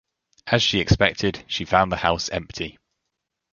As she expected, she found the house empty.